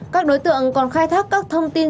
các đối tượng còn khai thác các thông tin